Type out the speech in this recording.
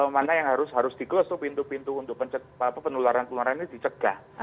karena yang harus di close tuh pintu pintu untuk penularan penularan ini dicegah